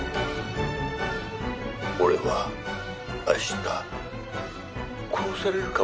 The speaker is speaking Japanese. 「俺は明日殺されるかもしれない」